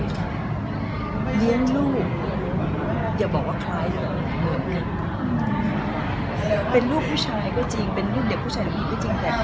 แต่ว่าเลี้ยงลูกอย่าบอกว่าใครเหรอเหมือนกันเป็นลูกผู้ชายก็จริงเป็นเด็กผู้ชายหรือผู้หญิงก็จริง